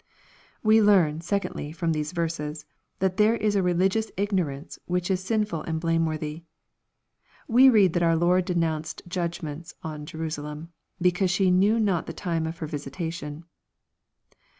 We learn, secondly, from these verses, that there is a religious ignorance which is sinful and blameworthy. We read that our Lord denounced judgments on Jerusalem, '* because she knew not the time of her visitation."